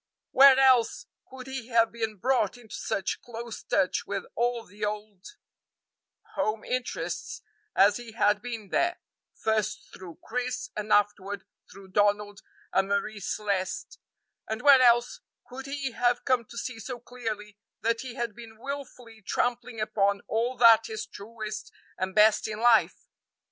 Where else could he have been brought into such close touch with all the old home interests as he had been there, first through Chris and afterward through Donald and Marie Celeste, and where else could he have come to see so clearly that he had been wilfully trampling upon all that is truest and best in life?